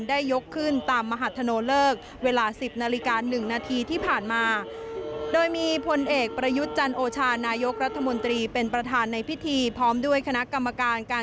ยกขึ้นตามมหัฒโนเลิกเวลา๑๐นาฬิกา๑นาทีที่ผ่านมา